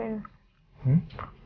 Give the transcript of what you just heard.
katanya emang saya begini kan